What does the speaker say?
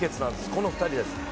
この２人です。